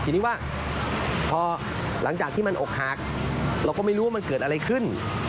ทีนี้ว่าพอหลังจากที่มันอกหักเราก็ไม่รู้ว่ามันเกิดอะไรขึ้น